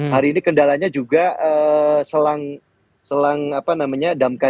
hari ini kendalanya juga selang selang apa namanya